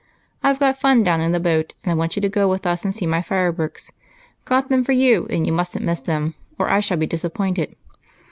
I 've got Fun down in the boat, and I want you to go with us and see my fire works. Got them up for you, and you mustn't miss them, or I shall be disappointed."